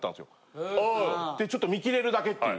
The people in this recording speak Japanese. ちょっと見切れるだけっていう。